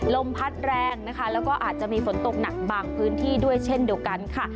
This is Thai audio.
ลมพัดแรงนะคะแล้วก็อาจจะมีฝนตกหนักบางพื้นที่ด้วยเช่นเดียวกันค่ะ